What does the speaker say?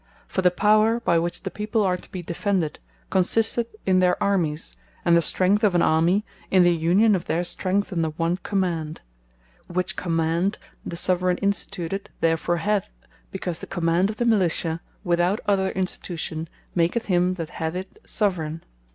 For the Power by which the people are to be defended, consisteth in their Armies; and the strength of an Army, in the union of their strength under one Command; which Command the Soveraign Instituted, therefore hath; because the command of the Militia, without other Institution, maketh him that hath it Soveraign.